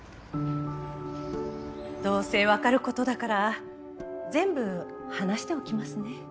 どうせわかる事だから全部話しておきますね。